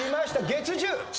月１０！